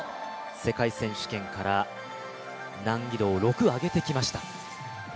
世界選手権から難易度を６上げてきました。